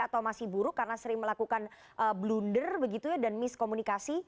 atau masih buruk karena sering melakukan blunder begitu ya dan miskomunikasi